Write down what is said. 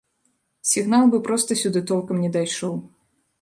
Сігнал бы проста сюды толкам не дайшоў.